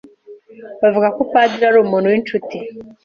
Bavuga ko Padiri ari umuntu winshuti.